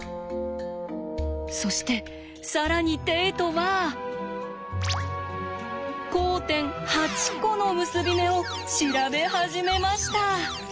そして更にテイトは交点８コの結び目を調べ始めました。